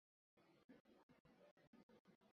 Shon-shavkat yuksak maqsad sari intilganning mulkidir.